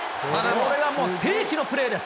これがもう、世紀のプレーです。